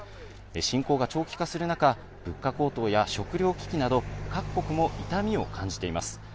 侵攻が長期化する中、物価高騰や食糧危機など、各国も痛みを感じています。